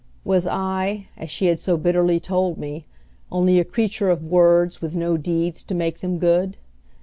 Was I, as she had so bitterly told me, only a creature of words with no deeds to make them good?